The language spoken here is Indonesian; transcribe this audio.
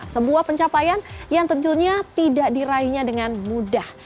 sebuah pencapaian yang tentunya tidak diraihnya dengan mudah